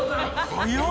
早っ！